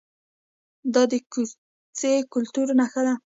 دا د کوچي کلتور نښه وه